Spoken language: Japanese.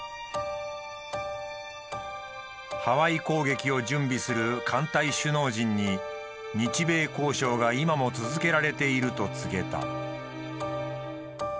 ハワイ攻撃を準備する艦隊首脳陣に日米交渉が今も続けられていると告げた。